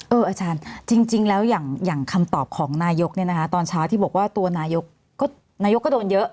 อาจารย์จริงแล้วอย่างคำตอบของนายกเนี่ยนะคะตอนเช้าที่บอกว่าตัวนายกก็โดนเยอะ